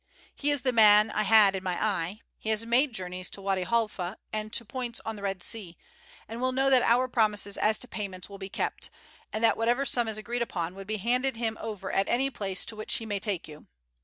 He is the man I had in my eye; he has made journeys to Wady Halfa and to points on the Red Sea, and will know that our promises as to payments will be kept, and that whatever sum is agreed upon would be handed him over at any place to which he may take you.